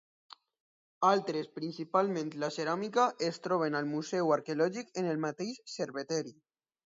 Altres, principalment la ceràmica, es troben al Museu Arqueològic en el mateix Cerveteri.